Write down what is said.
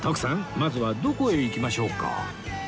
まずはどこへ行きましょうか？